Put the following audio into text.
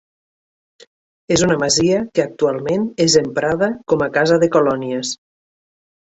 És una masia que actualment és emprada com a casa de colònies.